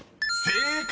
［正解！］